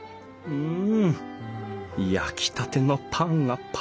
うん！